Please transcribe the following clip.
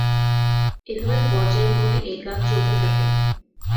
এভাবে পর্যায় ক্রমে এই কাজ চলতে থাকে।